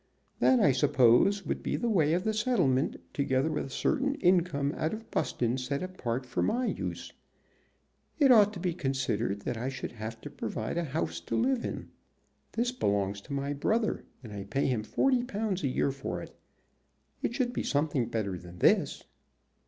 "That, I suppose, would be the way of the settlement, together with a certain income out of Buston set apart for my use. It ought to be considered that I should have to provide a house to live in. This belongs to my brother, and I pay him forty pounds a year for it. It should be something better than this."